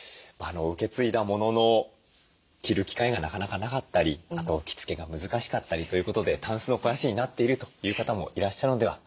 受け継いだものの着る機会がなかなかなかったりあと着付けが難しかったりということでたんすの肥やしになっているという方もいらっしゃるのではないでしょうか？